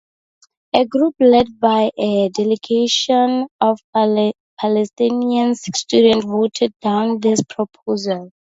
A group led by a delegation of Palestinians students voted down this proposal.